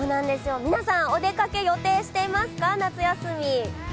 皆さん、お出かけ、予定していますか、夏休み。